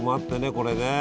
これね。